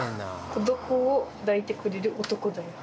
「孤独を抱いてくれる恋愛だよ」。